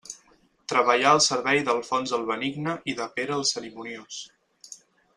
Treballà al servei d'Alfons el Benigne i de Pere el Cerimoniós.